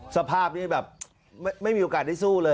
สภาพนี้แบบไม่มีโอกาสได้สู้เลย